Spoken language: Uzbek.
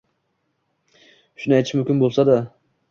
Shuni aytish mumkin bo’lsa edi.